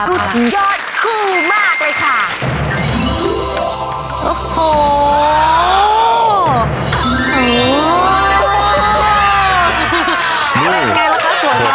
พูดสวยอดคลือมากเลยค่ะ